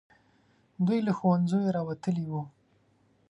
دوی له ښوونځیو راوتلي وو.